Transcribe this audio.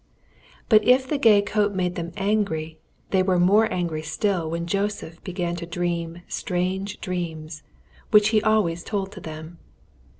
But if the gay coat made them angry, they were more angry still when Joseph began to dream strange dreams, which he always told to them.